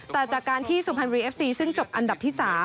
แต่จากการที่สุพรรณบุรีเอฟซีซึ่งจบอันดับที่๓